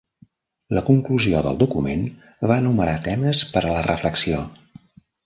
La conclusió del document va enumerar temes per a la reflexió.